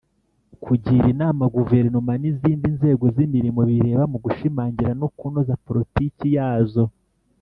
kugira inama guverinoma n’izindi nzego z’imirimo bireba mu gushimangira no kunoza politiki yazo